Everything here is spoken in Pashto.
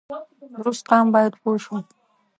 درست قام باید پوه شي